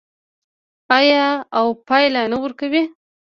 آیا او پایله نه ورکوي؟